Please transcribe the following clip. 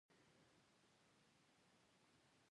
لومړی دا چې تاسي د ډهلي امپراطوري تباه کړه.